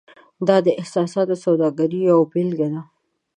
دا د احساساتو سوداګرۍ یوه بیلګه ده.